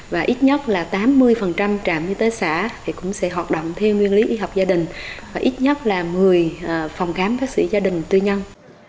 và ít nhất là tám mươi trạm y tế xã thì cũng sẽ hoạt động theo nguyên lý y học gia đình ít nhất là một mươi phòng khám bác sĩ gia đình tư nhân